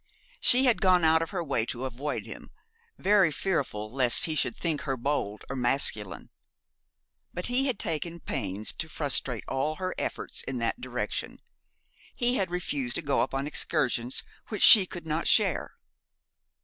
She had gone out of her way to avoid him, very fearful lest he should think her bold or masculine; but he had taken pains to frustrate all her efforts in that direction; he had refused to go upon excursions which she could not share.